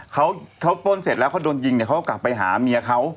เขาป้นเสร็จแล้วเขาโดนยิงเนี่ยเขาก็กลับไปหาเมียเขา